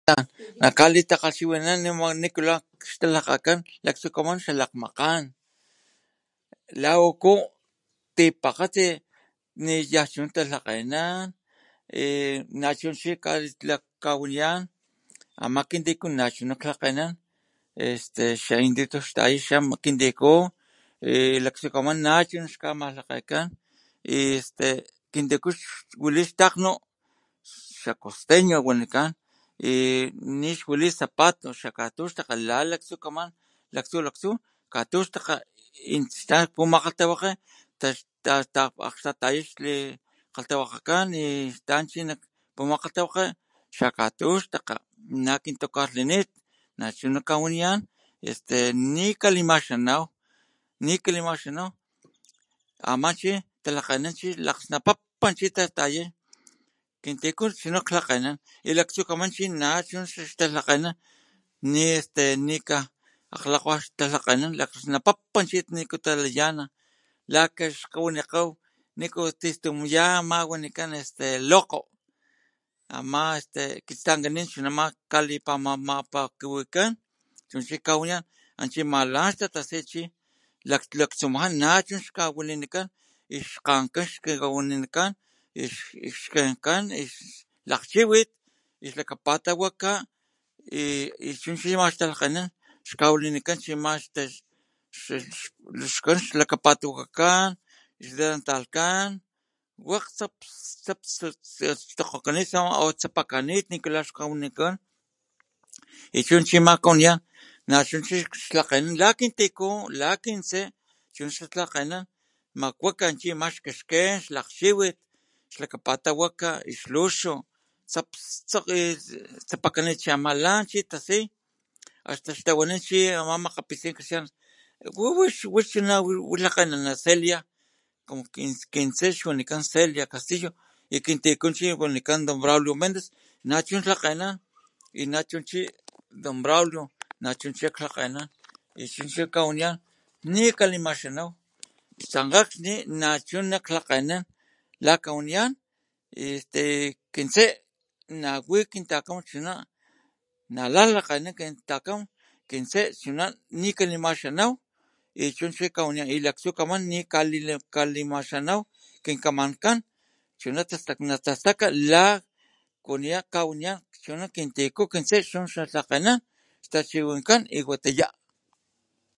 Nak kalitakgalhchiwinanan nikula ixtalhakan laktsukaman la xalakgmakan la uku tipakgatsi yanchuna talhakgan nachu chi tipakgatsi kawaniyan kintiku nachuna lakgenan xaindito xla kintiku laktsukaman nachu kamalhakgekan este kintiku xwali xtakgnu xacosteño wanikan nixwali zapato xakgatuxtakga laxalaktsukaman y xtaan pu makgaltawage ixakxtataya xlikagalhtawakgakan astan chi xakgatuxtakga nakintocarlinit nachu kawaniyan este nikalimaxamaw nikalimaxanaw amachi talhakgenan lakgsnapapa chi xtataya kintiku chuna xlhakgenan wanchi akgxtataya xlikgalhtawakgakan chuna nikalalawa xtalhakganan lakgsnapapa niku talayana xkawani kgaw ya ama wanikan lokgo ama kistikananin chuna nama kalimapakuwikan chu chi kawniyan lan tatasi chi ama laktsumajan na chu xkamapakuwikan nachu kawalinikan xkgenkan lakgchiwit lakgchiwit ixpatawakanat y chu chi ama xtalhakgenan xkawalinikan ama chi xkan xlakapatawanankan xlitanpalhkan wakg tsaps tsaps xtokgokanit tsapakgani nikula xikuanin kawanikan y chu chi ama kawaniyan nachu chi xlhakganan lakintiku la kintse chu xla talhakgenan makuaka chi ama xkexken lakgchiwit xlakapatawakat luxu tsapakanit chi ama lan chi tasi hasta xamakgapitsin cristianos ti nachuna lhakganan kintse xwanikan celia castillo kintiku wanikan braulio mendez nachu lhakgenan y na chu chi don braulio nachu chi xaklhakgenan nikalimaxanaw tsankga xni nachuna naklhakgenan la kawaniyan este kintse nawi kintakam nachuna nalan lhakganan kin takam kintse chuna kakawanya nikalinaxanay y laktsukaman nikalimaxanaw kinkamankan chuna natastaka kalitachiwinanka natalhaka y watiya.